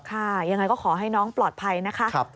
ค่ะยังไงก็ขอให้น้องปลอดภัยนะคะ